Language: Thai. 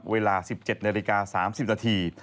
เวลา๑๗นาฬิกา๓๐นาที